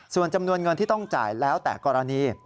ส่วนจำนวนเงินที่ต้องจ่ายแล้วแต่กรณี